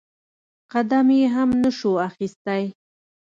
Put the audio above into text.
قدم يې هم نسو اخيستى.